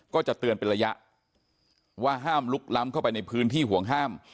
ก็จะเตือนเป็นระยะว่าห้ามลุกล้ำเข้าไปในพื้นที่ห่วงห้าม